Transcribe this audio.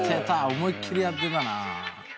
思いっきりやってたな。